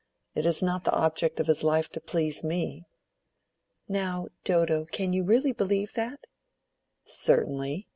It is not the object of his life to please me." "Now, Dodo, can you really believe that?" "Certainly.